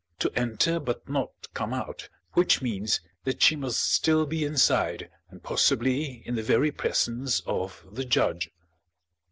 to enter, but not come out; which means that she must still be inside, and possibly in the very presence of the judge.